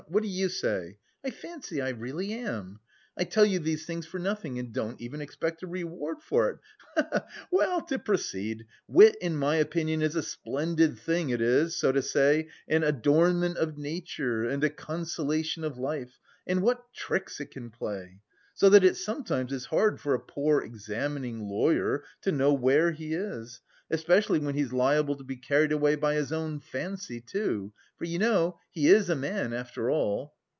What do you say? I fancy I really am: I tell you these things for nothing and don't even expect a reward for it, he he! Well, to proceed, wit in my opinion is a splendid thing, it is, so to say, an adornment of nature and a consolation of life, and what tricks it can play! So that it sometimes is hard for a poor examining lawyer to know where he is, especially when he's liable to be carried away by his own fancy, too, for you know he is a man after all!